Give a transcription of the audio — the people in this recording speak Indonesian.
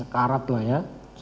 karat lah ya